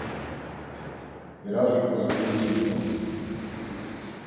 Ирашәҳәозеи еизыжәго?